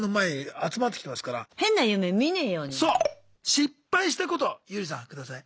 失敗したことユーリさん下さい。